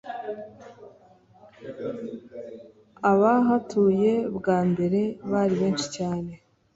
Abahatuye bwa mbere bari benshi cyane